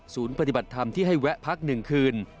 ศูนย์ปฏิบัติธรรมที่ให้แวะพักหนึ่งคืน